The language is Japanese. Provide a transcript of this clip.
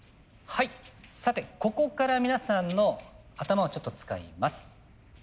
はいさてここから皆さんの頭をちょっと使います。